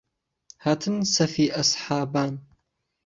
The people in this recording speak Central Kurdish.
هاتن سهفی ئهسحابان